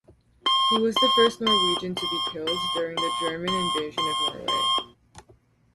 He was the first Norwegian to be killed during the German invasion of Norway.